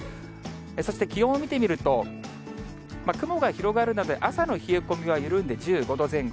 そして気温見てみると、雲が広がるので、朝の冷え込みは緩んで１５度前後。